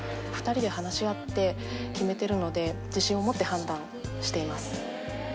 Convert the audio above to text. ２人で話し合って決めてるので、自信を持って判断しています。